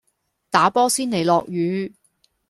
打波先嚟落雨